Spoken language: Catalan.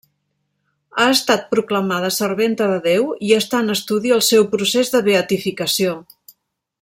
Ha estat proclamada serventa de Déu i està en estudi el seu procés de beatificació.